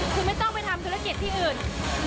คุณไม่ต้องไปทำธุรกิจที่อื่น